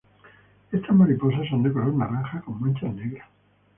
Estas mariposas son de color naranja con manchas negras.